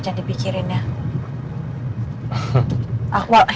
jangan dipikirin ya